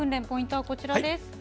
ポイントはこちらです。